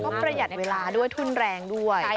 ก็ประหยัดเวลาด้วยทุนแรงด้วย